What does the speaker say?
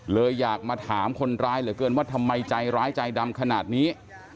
เลยอยากมาถามคนร้ายเหลือเกินว่าทำไมใจร้ายใจดำขนาดนี้